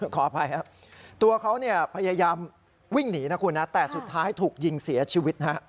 ขออภัยครับตัวเขาพยายามวิ่งหนีนะคุณนะแต่สุดท้ายถูกยิงเสียชีวิต